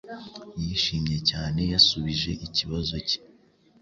wishimye cyane yasubije ikibazo cye